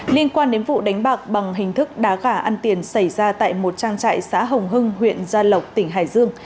liên quan đến vụ đánh bạc bằng hình thức đá gà ăn tiền xảy ra tại một trang trại xã hồng hưng huyện gia lộc tỉnh hải dương